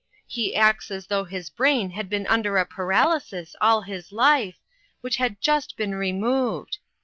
He acts as though his brain had been under a paralysis all his life, which had just been removed.